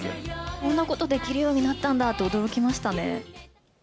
こんなことできるようになったんだって、驚きましたね。